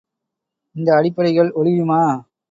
இந்த அடிப்படைகள் ஒழியுமா?